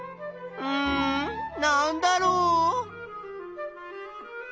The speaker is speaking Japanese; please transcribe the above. うんなんだろう？